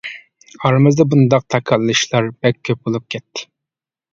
ئارىمىزدا بۇنداق تاكاللىشىشلار بەك كۆپ بولۇپ كەتتى.